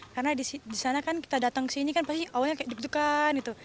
karena disana kan kita datang kesini kan pasti awalnya kayak deg degan gitu